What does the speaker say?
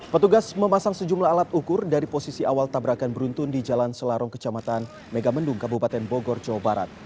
petugas memasang sejumlah alat ukur dari posisi awal tabrakan beruntun di jalan selarong kecamatan megamendung kabupaten bogor jawa barat